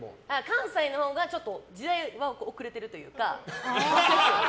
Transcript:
関西のほうがちょっと時代は遅れてるというか。